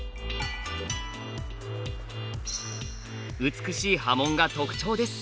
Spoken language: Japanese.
美しい刃文が特徴です。